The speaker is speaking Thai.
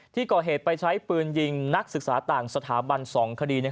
ที่ก่อเหตุไปใช้ปืนยิงนักศึกษาต่างสถาบัน๒คดี